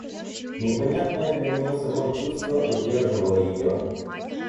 Непонятное для нее самой чувство удерживало ее.